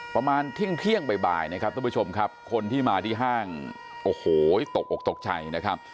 ประมาณเที่ยงบ่ายนะครับทุกผู้ชมครับคนที่มาที่ห้างโอ้โหตกอกตกใจนะครับ